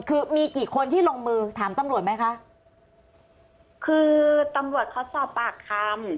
คือมีกี่คนที่ลงมือถามตำรวจไหมคะคือตำรวจเขาสอบปากคำ